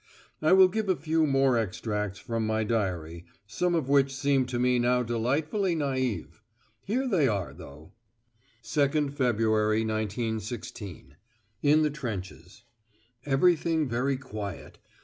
I will give a few more extracts from my diary, some of which seem to me now delightfully naïve! Here they are, though. "2nd Feb., 1916. In the trenches. Everything very quiet.